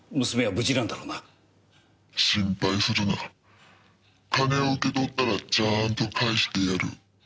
「心配するな」「金を受け取ったらちゃんと返してやる」